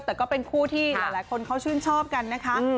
แต่ก็เป็นคู่ที่หลายคนเขาชื่นชอบกันนะคะ